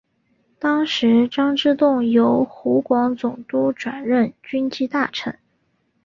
当时张之洞由湖广总督转任军机大臣。